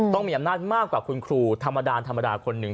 ต้องมีอำนาจมากกว่าคุณครูธรรมดาธรรมดาคนหนึ่ง